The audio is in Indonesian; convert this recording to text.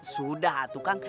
sudah tuh kan